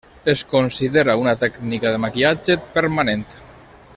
Es considera una tècnica de maquillatge permanent.